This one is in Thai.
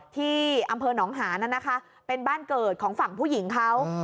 ที่อำเภอหนองหานนะคะเป็นบ้านเกิดของฝั่งผู้หญิงเขา